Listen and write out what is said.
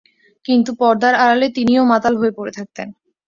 কিন্তু পর্দার আড়ালে তিনিও মাতাল হয়ে পড়ে থাকতেন।